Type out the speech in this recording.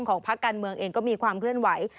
พักการเมืองเองก็มีความเคลื่อนไหว